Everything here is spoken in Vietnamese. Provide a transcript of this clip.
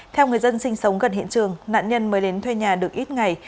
theo người dân sinh sống gần hiện trường nạn nhân mới đến thuê nhà được ít ngày